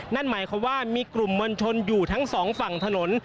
นั่นหมายความว่ามีกลุ่มมวลชนอยู่ทั้งสองฝั่งถนน